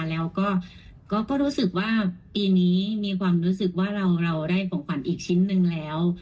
แล้วก็รู้สึกว่าปีนี้มีความรู้สึกว่าเราได้ของขวัญอีกชิ้นหนึ่งแล้ว